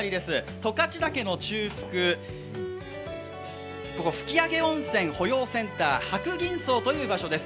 十勝岳の中腹、ここ、吹上温泉保養センター白銀荘という場所です。